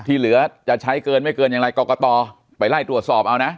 เหลือจะใช้เกินไม่เกินอย่างไรกรกตไปไล่ตรวจสอบเอานะ